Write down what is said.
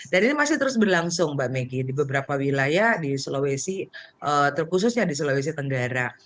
dan ini masih terus berlangsung mbak meggy di beberapa wilayah di sulawesi terkhususnya di sulawesi tenggara